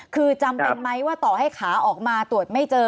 คือจำเป็นไหมว่าต่อให้ขาออกมาตรวจไม่เจอ